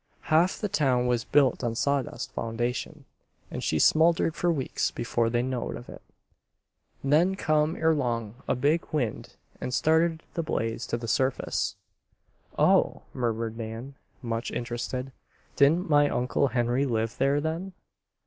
Ha'f the town was built on sawdust foundation an' she smouldered for weeks before they knowed of it. Then come erlong a big wind and started the blaze to the surface." "Oh!" murmured Nan, much interested. "Didn't my Uncle Henry live there then?"